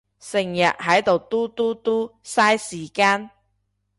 成日係到嘟嘟嘟，晒時間